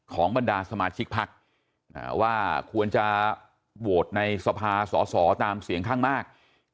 บรรดาสมาชิกพักว่าควรจะโหวตในสภาสอสอตามเสียงข้างมาก